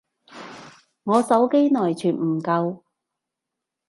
我手機內存唔夠